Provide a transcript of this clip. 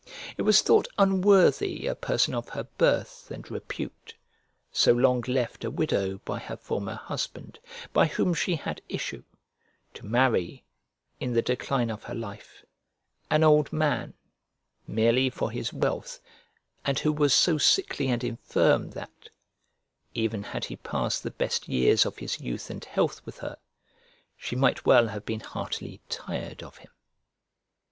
It was thought unworthy a person of her birth and repute, so long left a widow by her former husband, by whom she had issue, to marry, in the decline of her life, an old man, merely for his wealth, and who was so sickly and infirm that, even had he passed the best years of his youth and health with her, she might well have been heartily tired of him.